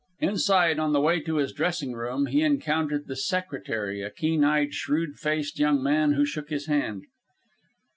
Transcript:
Inside, on the way to his dressing room, he encountered the secretary, a keen eyed, shrewd faced young man, who shook his hand.